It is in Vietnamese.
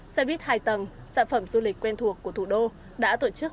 xe buýt hai tầng sản phẩm du lịch quen thuộc của thủ đô đã tổ chức